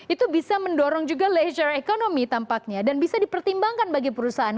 itu bisa mendorong juga leisure economy tampaknya dan bisa dipertimbangkan bagi perusahaan